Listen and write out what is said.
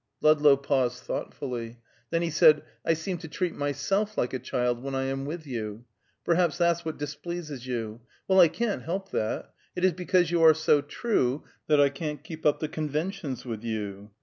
Ludlow paused thoughtfully. Then he said, "I seem to treat myself like a child when I am with you. Perhaps that's what displeases you. Well, I can't help that. It is because you are so true that I can't keep up the conventions with you."